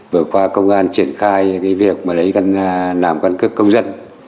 về dân cư